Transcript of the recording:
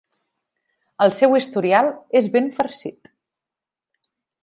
El seu historial és ben farcit.